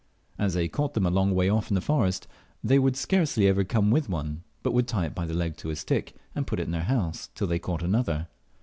As they caught them a long way off in the forest, they would scarcely ever come with one, but would tie it by the leg to a stick, and put it in their house till they caught another.